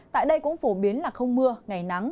tại đây cũng phổ biến là không mưa ngày nắng